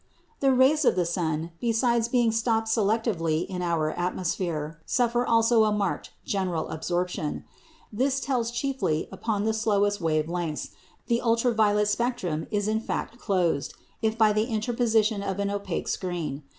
The rays of the sun, besides being stopped selectively in our atmosphere, suffer also a marked general absorption. This tells chiefly upon the shortest wave lengths; the ultra violet spectrum is in fact closed, as if by the interposition of an opaque screen.